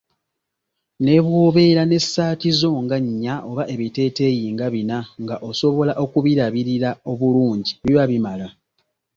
Ne bw'obeera n'essaati zo nga nnya oba ebiteeteeyi nga bina nga osobola okubirabirira obulungi biba bimala.